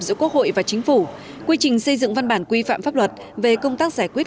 giữa quốc hội và chính phủ quy trình xây dựng văn bản quy phạm pháp luật về công tác giải quyết